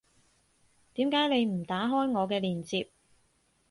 點解你唔打開我嘅鏈接